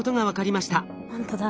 ほんとだ。